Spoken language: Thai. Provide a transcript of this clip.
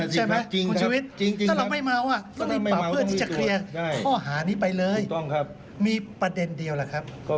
ใช่ไหมคุณชุวิตถ้าเราไม่เมาก็รีบปรับเพื่อที่จะเคลียร์ข้อหานี้ไปเลยมีประเด็นเดียวล่ะครับ